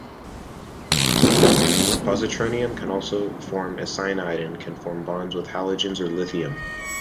Positronium can also form a cyanide and can form bonds with halogens or lithium.